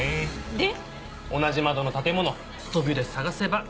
で⁉同じ窓の建物ストビュで探せば。